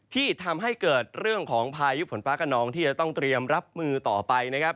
ที่ทำให้เกิดเรื่องของพายุฝนฟ้ากระนองที่จะต้องเตรียมรับมือต่อไปนะครับ